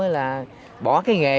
là bỏ cái nghề